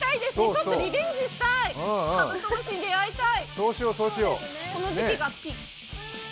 ちょっとリベンジしたい、カブトムシに出会いたい。